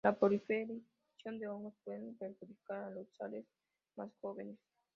La proliferación de hongos pueden perjudicar a los sales más jóvenes.